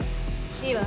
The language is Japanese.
いいわ。